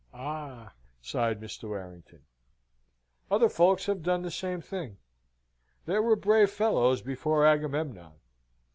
"Ah!" sighed Mr. Warrington. "Other folks have done the same thing. There were brave fellows before Agamemnon."